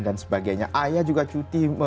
dan sebagainya ayah juga cuti